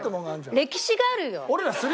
歴史があるよ。